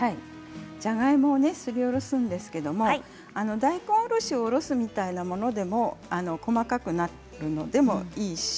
すりおろすんですけれど大根おろしをおろすみたいなものでも細かくなるものでもいいですね